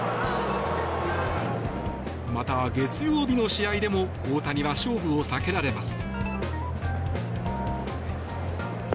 また、月曜日の試合でも大谷は勝負を避けられます。